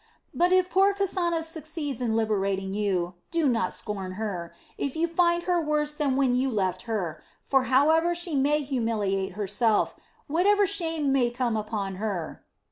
Put if poor Kasana succeeds in liberating you, do not scorn her, if you find her worse than when you left her, for however she may humiliate herself, whatever shame may come upon her...."